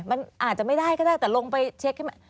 มันอาจจะไม่ได้ก็ได้แต่ลงไปเช็คขึ้นมา